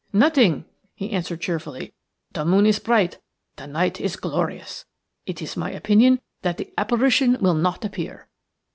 "Nothing," he answered, cheerfully. "The moon is bright, the night is glorious. It is my opinion that the apparition will not appear."